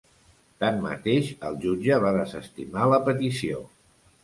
Tanmateix, el jutge va desestimar la petició.